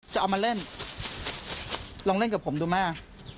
จะเอามาเล่นลองเล่นกับผมดูแม่